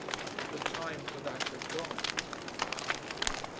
The time for that had gone....